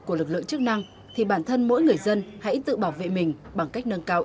của lực lượng chức năng thì bản thân mỗi người dân hãy tự bảo vệ mình bằng cách nâng cao